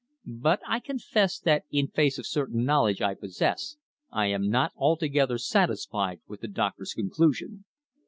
"But I confess that in face of certain knowledge I possess I am not altogether satisfied with the doctor's conclusion."